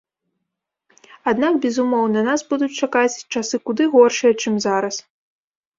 Аднак, безумоўна, нас будуць чакаць часы куды горшыя, чым зараз.